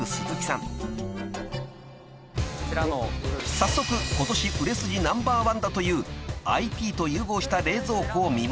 ［早速今年売れ筋ナンバーワンだというＩＴと融合した冷蔵庫を見ます］